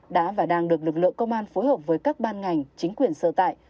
đã và đang được lực lượng công an phối hợp với các ban ngành chính quyền sơ tại